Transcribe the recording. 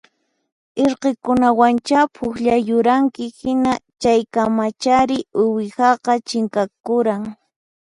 Irqikunawancha pukllayuranki hina chaykamachari uwihaqa chinkakuran